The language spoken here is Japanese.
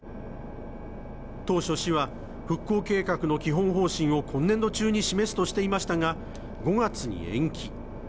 当初、市は復興計画の基本方針を今年度中に示すとしていましたが、５月に延期。